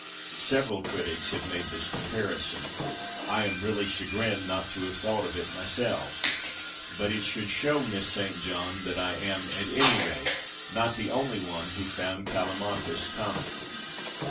(Several critics have made this comparison. I am really chagrined not to have thought of it myself. But it should show Miss St. John that I am, at any rate, not the only one who found CaUimachus comic.)